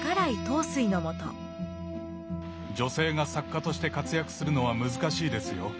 女性が作家として活躍するのは難しいですよ。